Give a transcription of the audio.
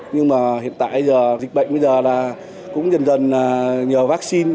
nhưng mà hiện tại dịch bệnh bây giờ là cũng dần dần nhờ vaccine